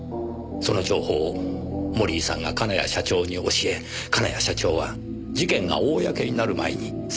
その情報を森井さんが金谷社長に教え金谷社長は事件が公になる前に先手を打とうと考えた。